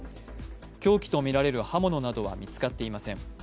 凶器とみられる刃物などは見つかっていません。